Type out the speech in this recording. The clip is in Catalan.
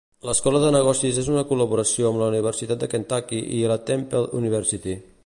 L'escola de negocis és una col·laboració amb la Universitat de Kentucky i la Temple University.